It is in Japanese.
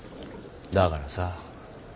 だからさ